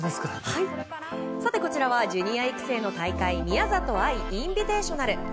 こちらはジュニア育成の大会宮里藍インビテーショナル。